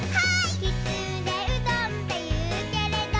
「きつねうどんっていうけれど」